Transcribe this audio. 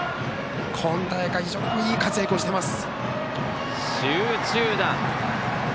今大会、非常にいい活躍をしています。